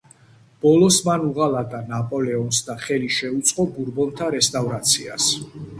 ბოლოს მან უღალატა ნაპოლეონს და ხელი შეუწყო ბურბონთა რესტავრაციას.